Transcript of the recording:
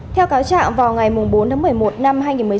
theo cáo trạng vào ngày bốn tháng một mươi một năm hai nghìn một mươi sáu